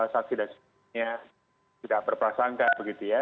saksi dan sebagainya